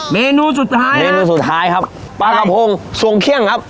เมนูสุดท้ายเมนูสุดท้ายครับปลากระพงทรงเครื่องครับ